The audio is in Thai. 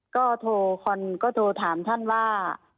ก็โทรถามท่านว่า